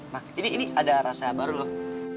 nah ini ada rasa baru loh